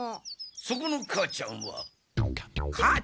そこの母ちゃんは？